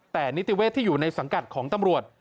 แต่นิติเวศที่อยู่ในสังกัดของตำรวจ